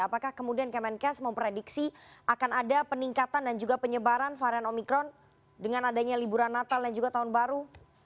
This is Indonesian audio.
apakah kemudian kemenkes memprediksi akan ada peningkatan dan juga penyebaran varian omikron dengan adanya liburan natal dan juga tahun baru